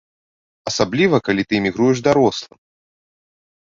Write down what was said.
Асабліва калі ты імігруеш дарослым.